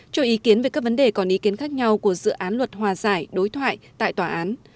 cho ý kiến về các vấn đề còn ý kiến khác nhau của dự án luật hòa giải đối thoại tại tòa án